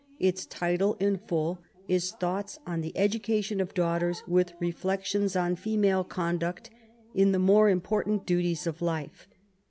Its title^ in full^ is Thoughts on the Education of Daughters: unth Reflections on Female Qonduct in the more Important Duties of Life.